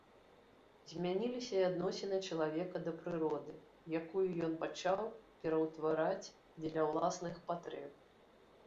Змяніліся і адносіны чалавека да прыроды, якую ён пачаў пераўтвараць дзеля ўласных патрэб.